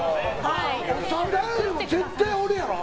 長田よりも絶対俺やろ。